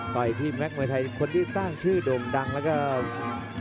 ต่อยที่แม็กมวยไทยคนที่สร้างชื่อโด่งดังแล้วก็